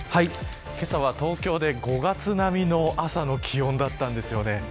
けさは東京で、５月並みの朝の気温だったんですよね。